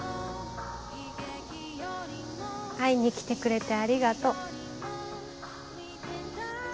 会いに来てくれてありがとう。